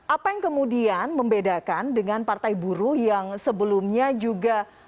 apa yang kemudian membedakan dengan partai buruh yang sebelumnya juga